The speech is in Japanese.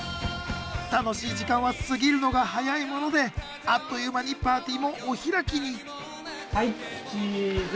楽しい時間は過ぎるのが早いものであっという間にパーティーもお開きにはいチーズ。